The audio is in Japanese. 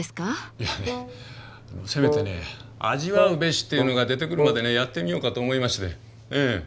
いやねせめてね「味わうべし」というのが出てくるまでねやってみようかと思いまして。